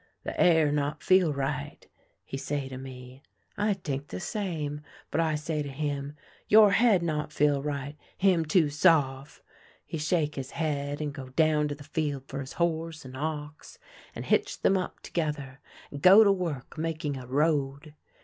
* The air not feel right,' he say to me. I t'ink the same, but I say to him :* Your head not feel right — him too sof'.' He shake his head and go down to the field for his horse and ox, and hitch them up together, and go to work making a road.